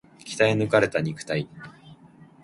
鍛え抜かれた肉体